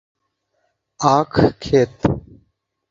আখ ক্ষেত